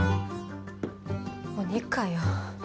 鬼かよ。